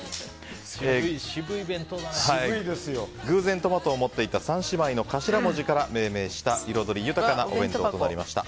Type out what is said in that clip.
偶然トマトを持っていた３姉妹の頭文字から命名した彩り豊かなお弁当となりました。